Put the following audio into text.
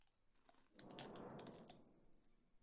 El primer presidente de la entidad fue el señor Lorenzo Ventre.